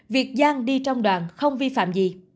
việc giang đi trong đoàn không vi phạm